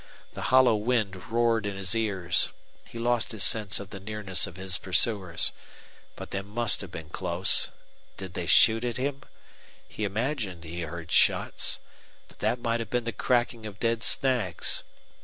The hollow wind roared in his ears. He lost his sense of the nearness of his pursuers. But they must have been close. Did they shoot at him? He imagined he heard shots. But that might have been the cracking of dead snags.